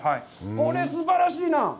これ、すばらしいなぁ。